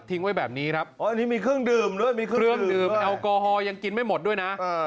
ไว้แบบนี้ครับอ๋ออันนี้มีเครื่องดื่มด้วยมีเครื่องดื่มแอลกอฮอลยังกินไม่หมดด้วยนะ